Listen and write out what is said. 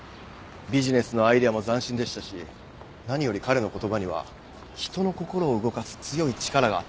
ビジネスのアイデアも斬新でしたし何より彼の言葉には人の心を動かす強い力があった。